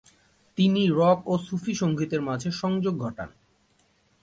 তিনিই রক ও সূফী সঙ্গীতের মাঝে সংযোগ ঘটান।